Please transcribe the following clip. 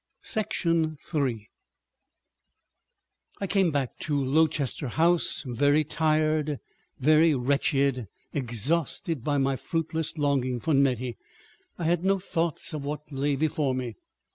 § 3 I came back to Lowchester House very tired, very wretched; exhausted by my fruitless longing for Nettie. I had no thought of what lay before me.